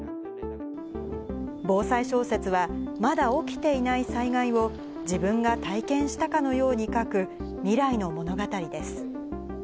防災小説は、まだ起きていない災害を、自分が体験したかのように書く、未来の物語です。